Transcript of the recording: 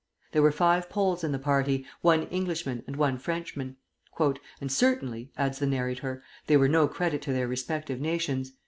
There were five Poles in the party, one Englishman, and one Frenchman; "and certainly," adds the narrator, "they were no credit to their respective nations.